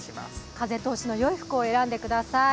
風通しのよい服を選んでください。